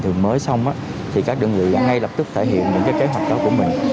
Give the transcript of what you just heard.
thường mới xong thì các đơn vị ngay lập tức thể hiện những cái kế hoạch đó của mình